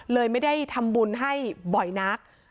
เลยไม่ได้ทำบุญให้บ่อยนัก